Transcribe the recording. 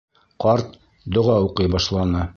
Ҡарт доға уҡый башланы.